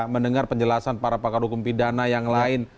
mendengar penjelasan para pakar hukum pidana yang lain